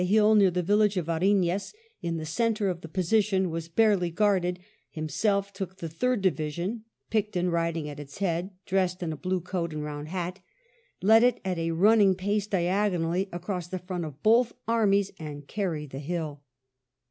hill near the village of Arinez, in the centre of the position, was barely guarded, himself took the Third Division — Picton riding at its head, dressed in a blue coat and round hat, — led it at a running pace diagonally across the front of both armies, and carried the hill.